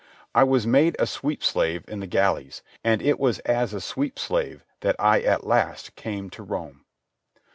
I was made a sweep slave in the galleys, and it was as a sweep slave that at last I came to Rome.